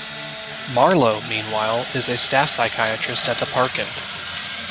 Marlow, meanwhile, is a staff psychiatrist at the Parkin.